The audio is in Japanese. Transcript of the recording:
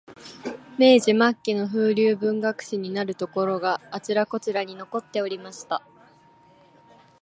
明治末期の風流文学史になるところが、あちらこちらに残っておりました